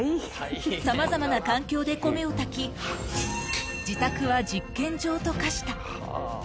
さまざまな環境で米を炊き、自宅は実験場と化した。